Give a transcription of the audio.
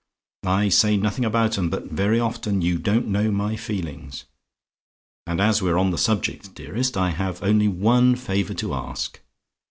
I say nothing about 'em, but very often you don't know my feelings. And as we're on the subject, dearest, I have only one favour to ask.